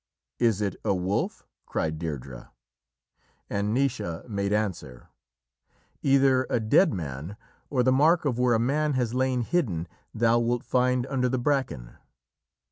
"Is it a wolf?" cried Deirdrê. And Naoise made answer: "Either a dead man, or the mark of where a man has lain hidden thou wilt find under the bracken."